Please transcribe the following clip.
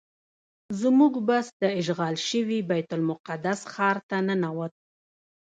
زموږ بس د اشغال شوي بیت المقدس ښار ته ننوت.